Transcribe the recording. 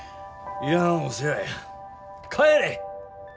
いらんお世話や帰れ！